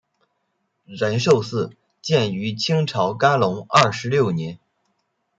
仁寿寺建于清朝干隆二十六年。